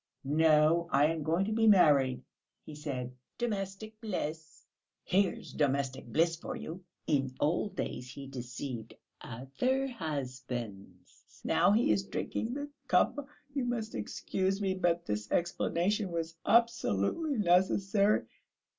'No, I am going to be married,' he said; 'domestic bliss.'... Here's domestic bliss for you! In old days he deceived other husbands ... now he is drinking the cup ... you must excuse me, but this explanation was absolutely necessary....